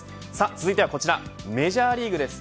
続いてはこちらメジャーリーグです。